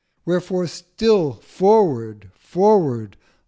Wherefore still Forward, Forward!